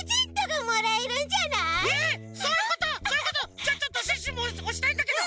じゃあちょっとシュッシュもおしたいんだけど！